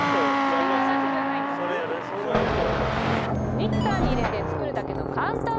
ミキサーに入れて作るだけの簡単メニュー。